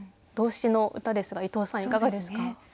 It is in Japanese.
動詞の歌ですが伊藤さんいかがですか？